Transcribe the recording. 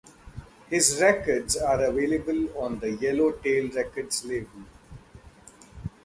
His records are available on the Yellow Tail Records label.